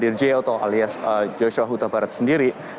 dir j atau alias joshua huta barat sendiri